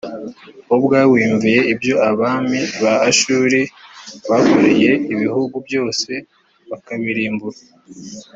wowe ubwawe wiyumviye ibyo abami ba ashuri bakoreye ibihugu byose bakabirimbura